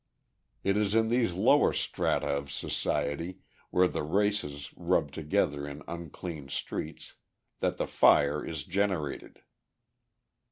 It is in these lower strata of society, where the races rub together in unclean streets, that the fire is generated.